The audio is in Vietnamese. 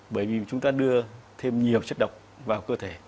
bởi vì chúng ta đưa thêm nhiều chất độc vào cơ thể